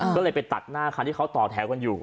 ก็เลยไปตัดหน้าคันที่เขาต่อแถวกันอยู่